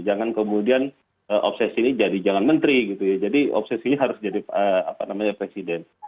jangan kemudian obsesinya jadi jangan menteri gitu ya jadi obsesinya harus jadi apa namanya presiden